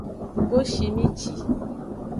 Goshimici.